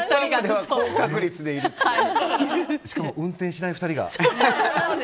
しかも運転しない２人が。